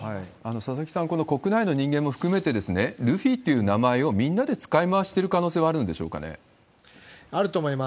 佐々木さん、この国内の人間も含めて、ルフィっていう名前をみんなで使い回してる可能性はあるんでしょあると思います。